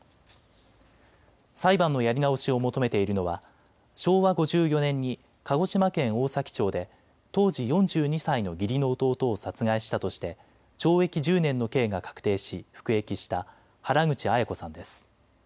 裁判のやり直しを求めているのは昭和５４年に鹿児島県大崎町で当時４２歳の義理の弟を殺害したとして懲役１０年の刑が確定し服役した原口アヤ子さんです。